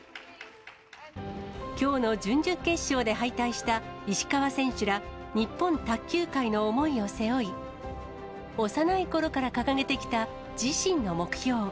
きょうの準々決勝で敗退した石川選手ら、日本卓球界の思いを背負い、幼いころから掲げてきた自身の目標。